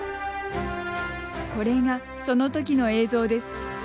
これがそのときの映像です。